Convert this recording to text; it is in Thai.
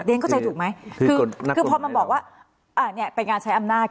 เรียนเข้าใจถูกไหมคือคือพอมันบอกว่าอ่ะเนี้ยเป็นงานใช้อำนาจ